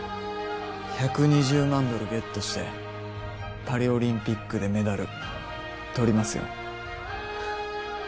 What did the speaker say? １２０万ドルゲットしてパリオリンピックでメダルとりますよ